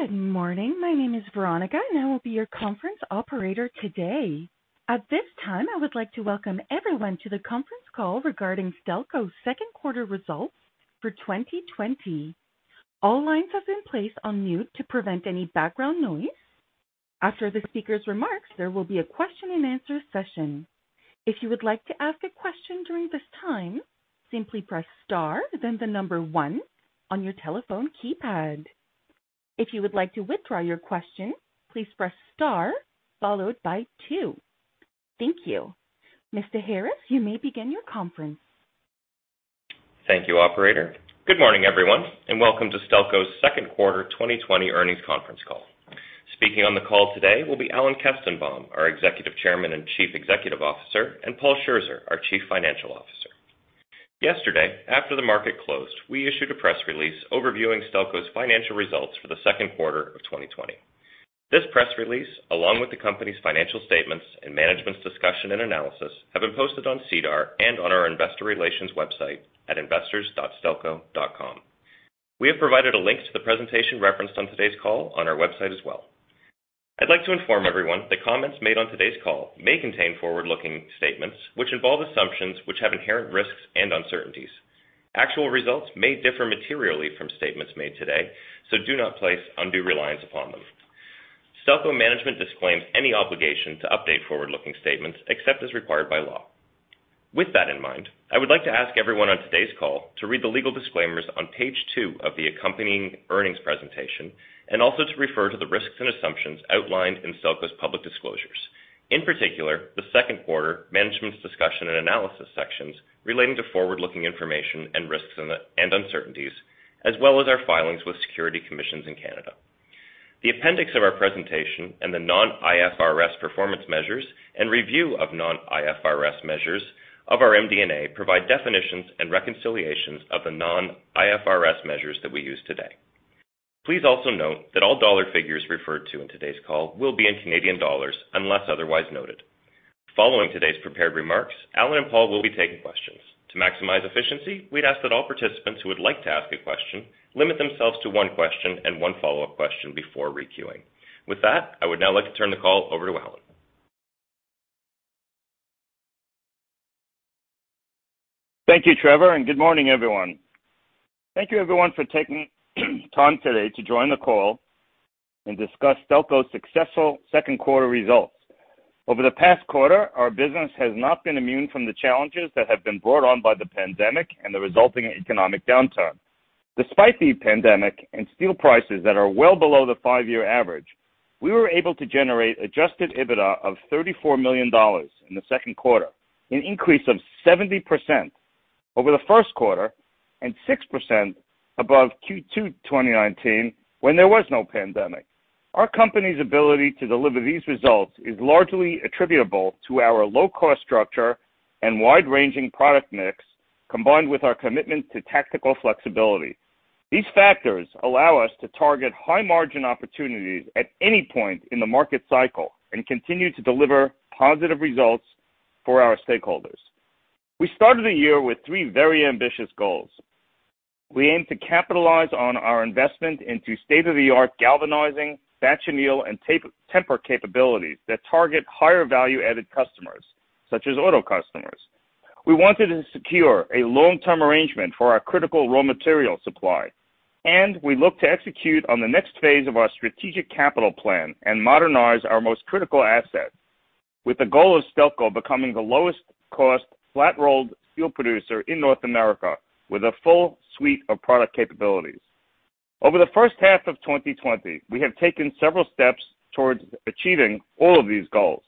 Good morning. My name is Veronica, and I will be your conference operator today. At this time, I would like to welcome everyone to the conference call regarding Stelco's second quarter results for 2020. All lines have been placed on mute to prevent any background noise. After the speaker's remarks, there will be a question and answer session. If you would like to ask a question during this time, simply press star, then the number one on your telephone keypad. If you would like to withdraw your question, please press star followed by two. Thank you. Mr. Harris, you may begin your conference. Thank you, operator. Good morning, everyone, and welcome to Stelco's second quarter 2020 earnings conference call. Speaking on the call today will be Alan Kestenbaum, our Executive Chairman and Chief Executive Officer, and Paul Scherzer, our Chief Financial Officer. Yesterday, after the market closed, we issued a press release overviewing Stelco's financial results for the second quarter of 2020. This press release, along with the company's financial statements and management's discussion and analysis, have been posted on SEDAR and on our investor relations website at investors.stelco.com. We have provided a link to the presentation referenced on today's call on our website as well. I'd like to inform everyone that comments made on today's call may contain forward-looking statements, which involve assumptions which have inherent risks and uncertainties. Actual results may differ materially from statements made today, so do not place undue reliance upon them. Stelco management disclaims any obligation to update forward-looking statements except as required by law. With that in mind, I would like to ask everyone on today's call to read the legal disclaimers on page two of the accompanying earnings presentation, and also to refer to the risks and assumptions outlined in Stelco's public disclosures. In particular, the second quarter management's discussion and analysis sections relating to forward-looking information and risks and uncertainties, as well as our filings with security commissions in Canada. The appendix of our presentation and the non-IFRS performance measures and review of non-IFRS measures of our MD&A provide definitions and reconciliations of the non-IFRS measures that we use today. Please also note that all dollar figures referred to in today's call will be in Canadian dollars, unless otherwise noted. Following today's prepared remarks, Alan and Paul will be taking questions. To maximize efficiency, we'd ask that all participants who would like to ask a question limit themselves to one question and one follow-up question before re-queuing. With that, I would now like to turn the call over to Alan. Thank you, Trevor, and good morning, everyone. Thank you everyone for taking time today to join the call and discuss Stelco's successful second quarter results. Over the past quarter, our business has not been immune from the challenges that have been brought on by the pandemic and the resulting economic downturn. Despite the pandemic and steel prices that are well below the five-year average, we were able to generate adjusted EBITDA of 34 million dollars in the second quarter, an increase of 70% over the first quarter and 6% above Q2 2019, when there was no pandemic. Our company's ability to deliver these results is largely attributable to our low-cost structure and wide-ranging product mix, combined with our commitment to tactical flexibility. These factors allow us to target high-margin opportunities at any point in the market cycle and continue to deliver positive results for our stakeholders. We started the year with three very ambitious goals. We aim to capitalize on our investment into state-of-the-art galvanizing, batch anneal, and temper capabilities that target higher value-added customers, such as auto customers. We wanted to secure a long-term arrangement for our critical raw material supply, we look to execute on the next phase of our strategic capital plan and modernize our most critical asset, with the goal of Stelco becoming the lowest cost flat-rolled steel producer in North America with a full suite of product capabilities. Over the first half of 2020, we have taken several steps towards achieving all of these goals.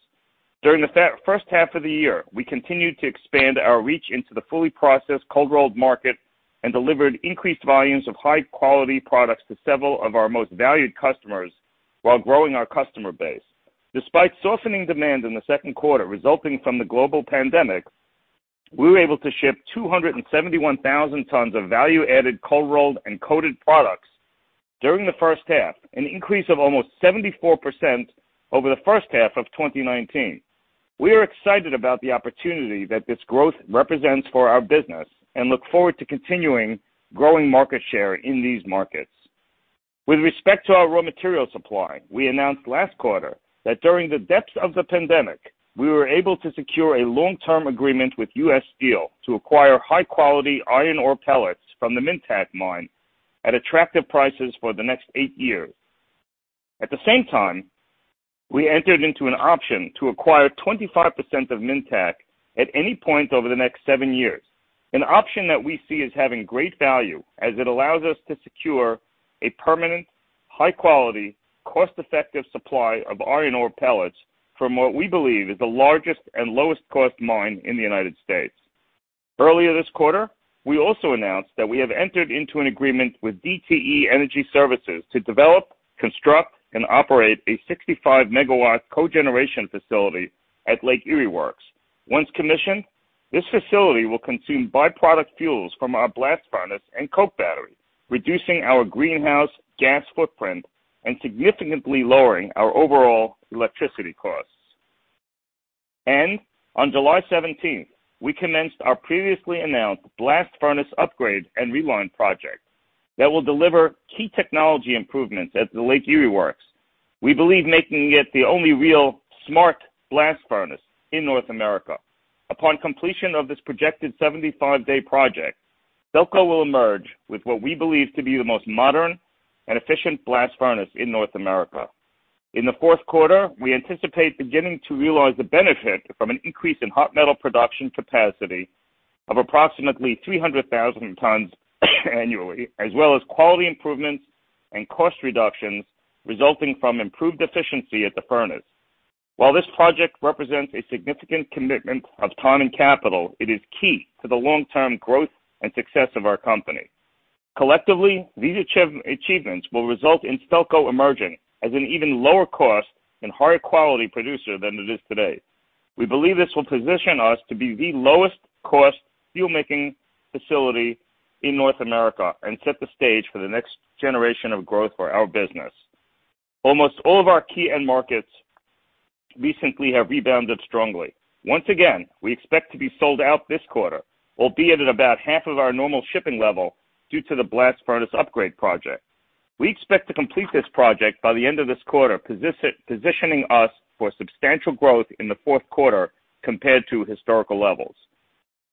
During the first half of the year, we continued to expand our reach into the fully processed cold-rolled market and delivered increased volumes of high-quality products to several of our most valued customers while growing our customer base. Despite softening demand in the second quarter resulting from the global pandemic, we were able to ship 271,000 tons of value-added cold-rolled and coated products during the first half, an increase of almost 74% over the first half of 2019. We are excited about the opportunity that this growth represents for our business and look forward to continuing growing market share in these markets. With respect to our raw material supply, we announced last quarter that during the depths of the pandemic, we were able to secure a long-term agreement with U.S. Steel to acquire high-quality iron ore pellets from the Minntac mine at attractive prices for the next eight years. At the same time, we entered into an option to acquire 25% of Minntac at any point over the next seven years, an option that we see as having great value as it allows us to secure a permanent, high quality, cost-effective supply of iron ore pellets from what we believe is the largest and lowest cost mine in the United States. Earlier this quarter, we also announced that we have entered into an agreement with DTE Energy Services to develop, construct, and operate a 65 MW cogeneration facility at Lake Erie Works. Once commissioned, this facility will consume byproduct fuels from our blast furnace and coke battery, reducing our greenhouse gas footprint and significantly lowering our overall electricity costs. On July 17th, we commenced our previously announced blast furnace upgrade and reline project that will deliver key technology improvements at the Lake Erie Works, we believe making it the only real smart blast furnace in North America. Upon completion of this projected 75-day project, Stelco will emerge with what we believe to be the most modern and efficient blast furnace in North America. In the fourth quarter, we anticipate beginning to realize the benefit from an increase in hot metal production capacity of approximately 300,000 tons annually, as well as quality improvements and cost reductions resulting from improved efficiency at the furnace. While this project represents a significant commitment of time and capital, it is key to the long-term growth and success of our company. Collectively, these achievements will result in Stelco emerging as an even lower cost and higher quality producer than it is today. We believe this will position us to be the lowest cost steel-making facility in North America and set the stage for the next generation of growth for our business. Almost all of our key end markets recently have rebounded strongly. Once again, we expect to be sold out this quarter, albeit at about half of our normal shipping level due to the blast furnace upgrade project. We expect to complete this project by the end of this quarter, positioning us for substantial growth in the fourth quarter compared to historical levels.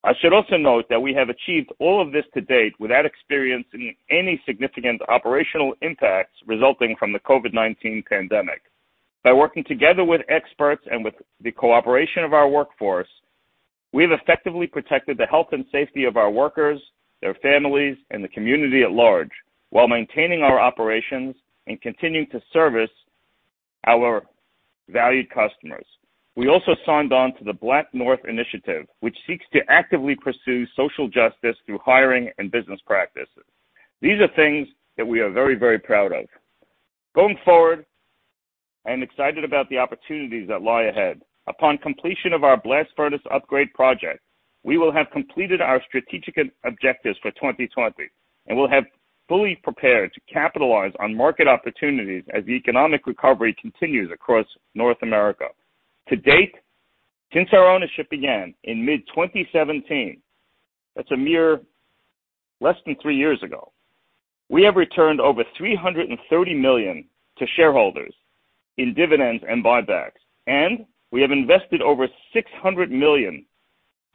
I should also note that we have achieved all of this to date without experiencing any significant operational impacts resulting from the COVID-19 pandemic. By working together with experts and with the cooperation of our workforce, we've effectively protected the health and safety of our workers, their families, and the community at large, while maintaining our operations and continuing to service our valued customers. We also signed on to the BlackNorth Initiative, which seeks to actively pursue social justice through hiring and business practices. These are things that we are very, very proud of. Going forward, I am excited about the opportunities that lie ahead. Upon completion of our blast furnace upgrade project, we will have completed our strategic objectives for 2020 and will have fully prepared to capitalize on market opportunities as the economic recovery continues across North America. To date, since our ownership began in mid-2017, that's a mere less than three years ago, we have returned over 330 million to shareholders in dividends and buybacks, and we have invested over 600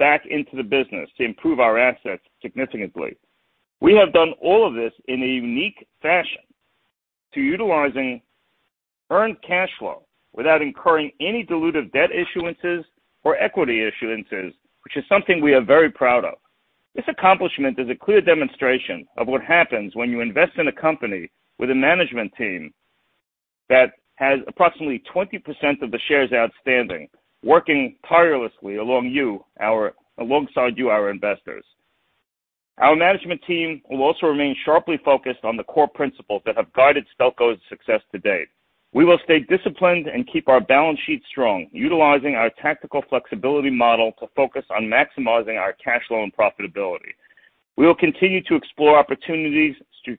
million back into the business to improve our assets significantly. We have done all of this in a unique fashion, to utilizing earned cash flow without incurring any dilutive debt issuances or equity issuances, which is something we are very proud of. This accomplishment is a clear demonstration of what happens when you invest in a company with a management team that has approximately 20% of the shares outstanding, working tirelessly alongside you, our investors. Our management team will also remain sharply focused on the core principles that have guided Stelco's success to date. We will stay disciplined and keep our balance sheet strong, utilizing our tactical flexibility model to focus on maximizing our cash flow and profitability. We will continue to explore opportunities to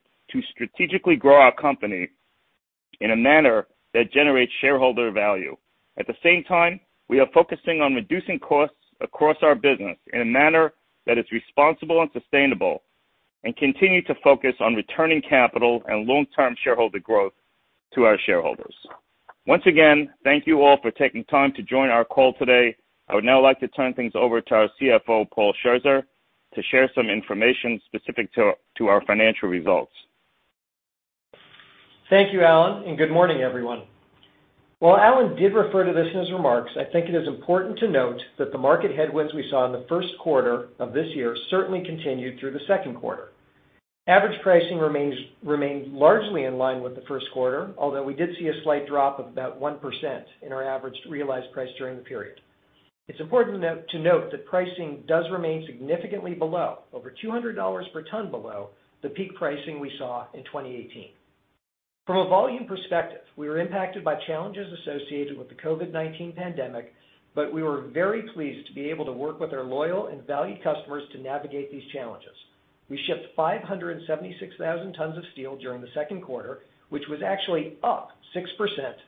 strategically grow our company in a manner that generates shareholder value. At the same time, we are focusing on reducing costs across our business in a manner that is responsible and sustainable, and continue to focus on returning capital and long-term shareholder growth to our shareholders. Once again, thank you all for taking time to join our call today. I would now like to turn things over to our CFO, Paul Scherzer, to share some information specific to our financial results. Thank you, Alan, and good morning, everyone. While Alan did refer to this in his remarks, I think it is important to note that the market headwinds we saw in the first quarter of this year certainly continued through the second quarter. Average pricing remained largely in line with the first quarter, although we did see a slight drop of about 1% in our average realized price during the period. It's important to note that pricing does remain significantly below, over 200 dollars per ton below, the peak pricing we saw in 2018. From a volume perspective, we were impacted by challenges associated with the COVID-19 pandemic, but we were very pleased to be able to work with our loyal and valued customers to navigate these challenges. We shipped 576,000 tons of steel during the second quarter, which was actually up 6%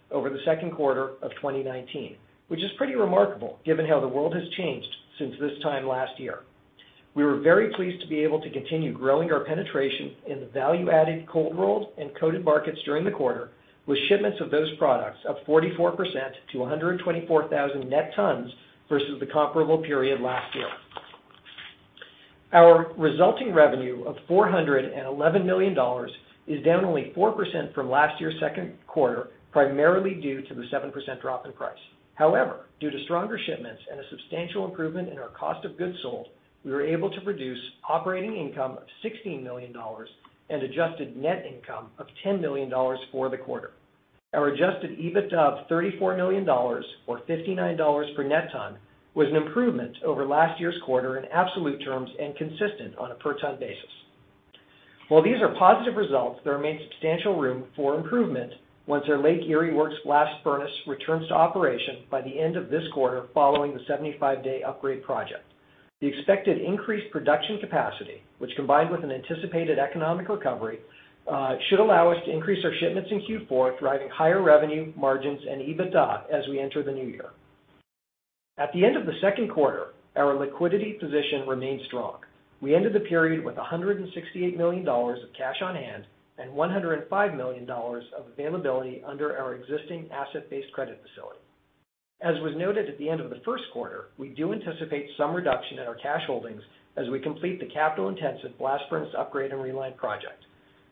over the second quarter of 2019, which is pretty remarkable given how the world has changed since this time last year. We were very pleased to be able to continue growing our penetration in the value-added cold-rolled and coated markets during the quarter, with shipments of those products up 44% to 124,000 net tons versus the comparable period last year. Our resulting revenue of 411 million dollars is down only 4% from last year's second quarter, primarily due to the 7% drop in price. Due to stronger shipments and a substantial improvement in our cost of goods sold, we were able to produce operating income of 16 million dollars and adjusted net income of 10 million dollars for the quarter. Our adjusted EBITDA of 34 million dollars, or 59 dollars per net ton, was an improvement over last year's quarter in absolute terms and consistent on a per-ton basis. While these are positive results, there remains substantial room for improvement once our Lake Erie Works blast furnace returns to operation by the end of this quarter following the 75-day upgrade project. The expected increased production capacity, which combined with an anticipated economic recovery, should allow us to increase our shipments in Q4, driving higher revenue margins and EBITDA as we enter the new year. At the end of the second quarter, our liquidity position remained strong. We ended the period with 168 million dollars of cash on hand and 105 million dollars of availability under our existing asset-based credit facility. As was noted at the end of the first quarter, we do anticipate some reduction in our cash holdings as we complete the capital-intensive blast furnace upgrade and reline project.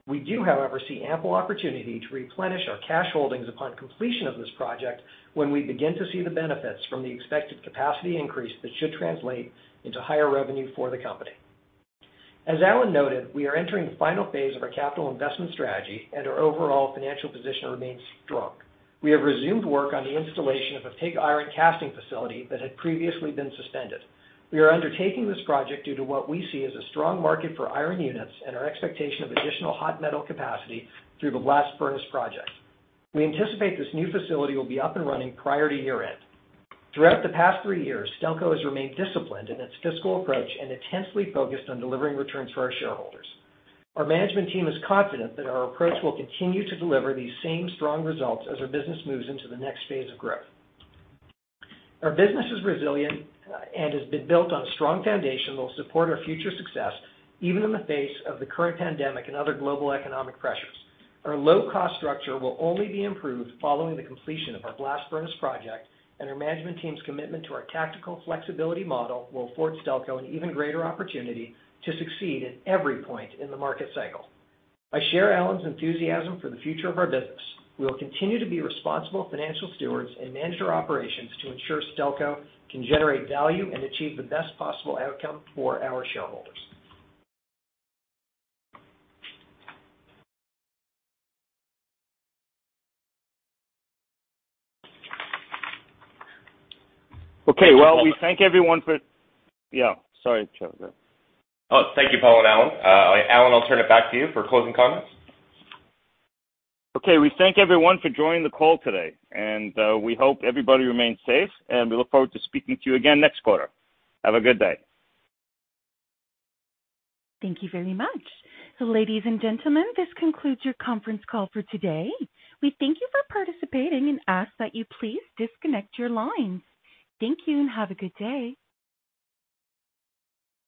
We do, however, see ample opportunity to replenish our cash holdings upon completion of this project, when we begin to see the benefits from the expected capacity increase that should translate into higher revenue for the company. As Alan noted, we are entering the final phase of our capital investment strategy, and our overall financial position remains strong. We have resumed work on the installation of a pig iron casting facility that had previously been suspended. We are undertaking this project due to what we see as a strong market for iron units and our expectation of additional hot metal capacity through the blast furnace project. We anticipate this new facility will be up and running prior to year-end. Throughout the past three years, Stelco has remained disciplined in its fiscal approach and intensely focused on delivering returns for our shareholders. Our management team is confident that our approach will continue to deliver these same strong results as our business moves into the next phase of growth. Our business is resilient and has been built on a strong foundation that will support our future success, even in the face of the current pandemic and other global economic pressures. Our low-cost structure will only be improved following the completion of our blast furnace project, and our management team's commitment to our tactical flexibility model will afford Stelco an even greater opportunity to succeed at every point in the market cycle. I share Alan's enthusiasm for the future of our business. We will continue to be responsible financial stewards and manage our operations to ensure Stelco can generate value and achieve the best possible outcome for our shareholders. Okay, well, we thank everyone for Yeah, sorry, Trevor. Thank you, Paul and Alan. Alan, I'll turn it back to you for closing comments. Okay, we thank everyone for joining the call today, and we hope everybody remains safe, and we look forward to speaking to you again next quarter. Have a good day. Thank you very much. Ladies and gentlemen, this concludes your conference call for today. We thank you for participating and ask that you please disconnect your lines. Thank you, and have a good day.